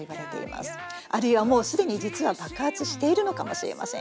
あるいはもう既に実は爆発しているのかもしれません。